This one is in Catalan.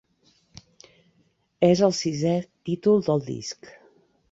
És el sisè títol del disc.